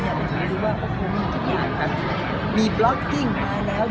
อยากให้ทุกคนรู้ว่าก็คงมีบล็อกติ้งมาแล้ว